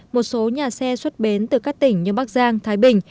một số nhà xe xuất bến từ các tỉnh như bắc giang thái bình